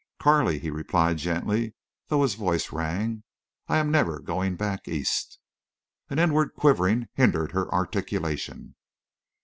"Carley," he replied gently, though his voice rang, "I am never going back East." An inward quivering hindered her articulation.